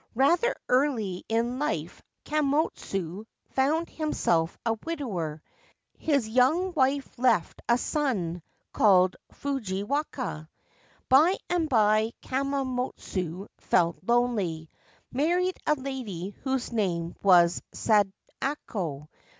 Rather early in life Kammotsu found himself a widower. His young wife left a son, called Fujiwaka. By and by Kammotsu, feeling lonely, married a lady whose name was Sadako.